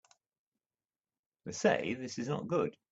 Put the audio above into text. They say this is not good.